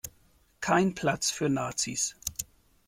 Kein Platz für Nazis.